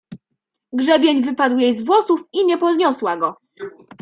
Grzebień wypadł jej z włosów, i nie podniosła go.